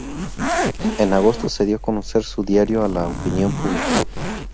En agosto se dio a conocer su diario a la opinión pública.